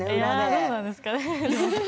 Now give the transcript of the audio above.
そうなんですかね。